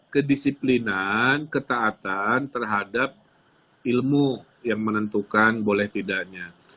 kedisiplinan ketaatan terhadap ilmu yang menentukan boleh tidaknya